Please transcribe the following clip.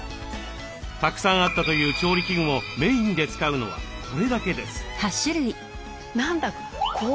たくさんあったという調理器具もメインで使うのはこれだけです。